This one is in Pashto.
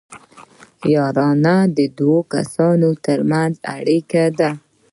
یارانه د دوو کسانو ترمنځ اړیکه ده